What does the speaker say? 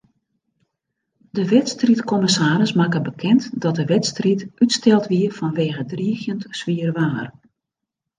De wedstriidkommissaris makke bekend dat de wedstriid útsteld wie fanwege driigjend swier waar.